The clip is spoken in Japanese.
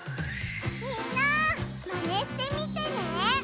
みんなマネしてみてね！